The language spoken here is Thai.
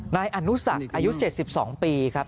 นายอนุสักอายุ๗๒ปีครับ